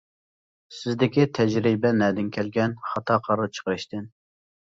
سىزدىكى تەجرىبە نەدىن كەلگەن؟ خاتا قارار چىقىرىشتىن!